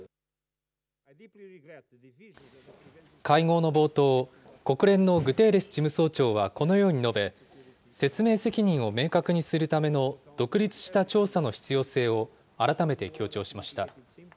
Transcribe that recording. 会合の冒頭、国連のグテーレス事務総長はこのように述べ、説明責任を明確にするための独立した調査の必要性を改めて強調しました。